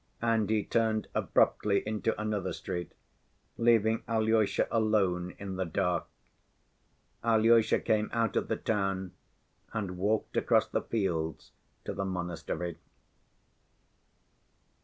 And he turned abruptly into another street, leaving Alyosha alone in the dark. Alyosha came out of the town and walked across the fields to the monastery.